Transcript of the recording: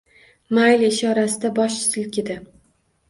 Mayli ishorasida bosh silkidi.